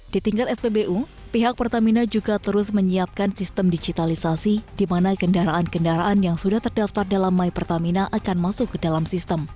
di tingkat spbu pihak pertamina juga terus menyiapkan sistem digitalisasi di mana kendaraan kendaraan yang sudah terdaftar dalam my pertamina akan masuk ke dalam sistem